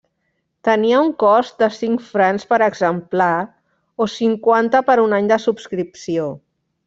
Tenia un cost de cinc francs per exemplar o cinquanta per un any de subscripció.